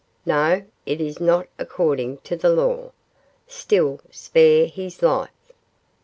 No; it is not according to the law. Still, spare his life?